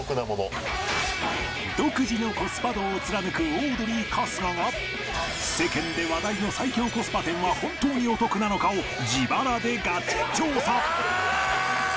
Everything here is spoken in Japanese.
独自のコスパ道を貫くオードリー春日が世間で話題の最強コスパ店は本当にお得なのかを自腹でガチ調査！